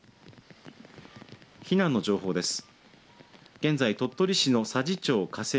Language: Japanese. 避難の情報です。